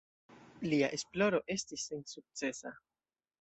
Lia esploro estis sensukcesa.